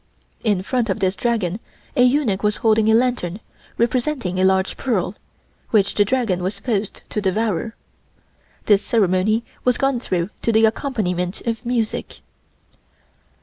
In front of this dragon a eunuch was holding a lantern representing a large pearl, which the dragon was supposed to devour. This ceremony was gone through to the accompaniment of music.